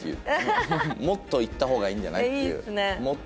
「もっといった方がいいんじゃない？」って言う。